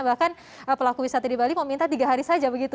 bahkan pelaku wisata di bali meminta tiga hari saja begitu